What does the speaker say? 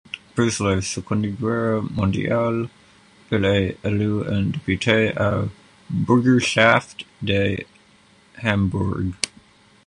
Après la Seconde Guerre mondiale, il est élu en député au Bürgerschaft de Hambourg.